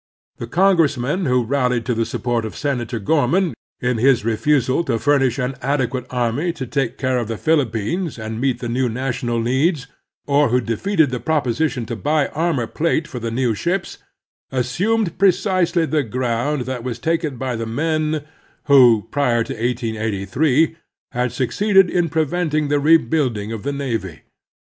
The congressmen who rallied to the support of Senator Gorman in his refusal to furnish an adequate army to take care of the Philippines and meet the new national needs, or who defeated the proposition to buy armor plate for the new ships, assimied pre Admiral Dewey 189 dsdy the ground that was taken by the men who, prior to 1883, had succeeded in preventing the rebuilding of the navy.